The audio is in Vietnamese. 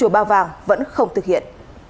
bào vàng vẫn không thực hiện